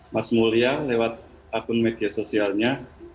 mas mulia lewat akun media sosialnya